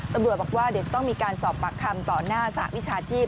ตำรวจบอกว่าเดี๋ยวจะต้องมีการสอบปากคำต่อหน้าสหวิชาชีพ